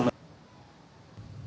masyarakat yang di tempat terminal ini